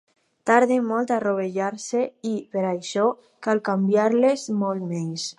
Tarden molt a rovellar-se i, per això, cal canviar-les molt menys.